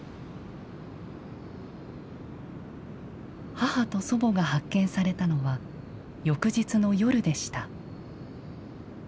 母と祖母が発見されたのは翌日の夜でした。